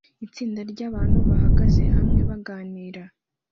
Itsinda ryabantu bahagaze hanze baganira